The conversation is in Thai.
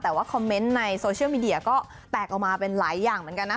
แต่ว่าคอมเมนต์ในโซเชียลมีเดียก็แตกออกมาเป็นหลายอย่างเหมือนกันนะ